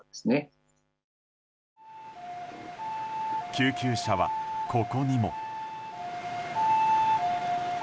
救急車は、ここにも。